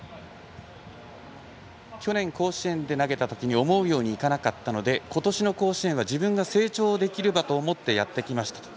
去年、甲子園で投げた時に思うようにいかなかったので今年の甲子園は自分が生長できる場と思ってやってきましたと。